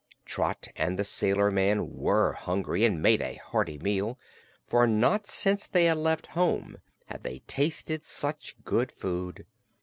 Trot and the sailor man were hungry and made a hearty meal, for not since they had left home had they tasted such good food.